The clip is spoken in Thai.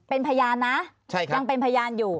เป็นพยานนะยังเป็นพยานอยู่